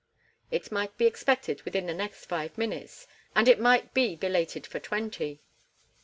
It might be expected within the next five minutes, and it might be belated for twenty.